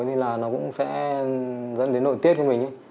thì là nó cũng sẽ dẫn đến nội tiết của mình